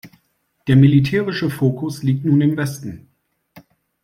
Der militärische Fokus liegt nun im Westen.